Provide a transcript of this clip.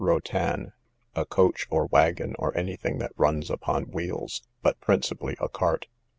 Rotan, a coach, or wagon, or any thing that runs upon wheels, but principally a cart.